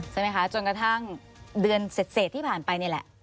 ใช่ไหมคะจนกระทั่งเดือนเสร็จที่ผ่านไปเนี่ยแหละ